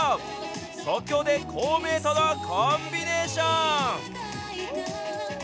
即興で倖明とのコンビネーション。